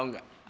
lo tau gak